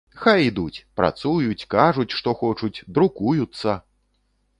Хай ідуць, працуюць, кажуць, што хочуць, друкуюцца!